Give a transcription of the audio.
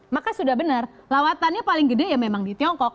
maka sudah benar lawatannya paling gede ya memang di tiongkok